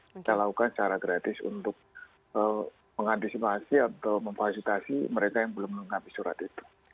kita lakukan secara gratis untuk mengantisipasi atau memfasilitasi mereka yang belum menengkapi surat itu